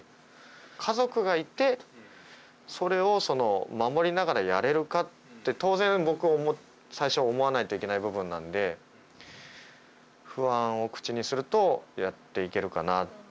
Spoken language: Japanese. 家族がいてそれを守りながらやれるかって当然僕最初は思わないといけない部分なので不安を口にするとやっていけるかな。